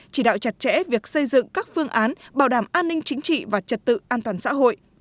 chỉ đạo chặt chẽ việc xây dựng các phương án bảo đảm an ninh chính trị và trật tự an toàn xã hội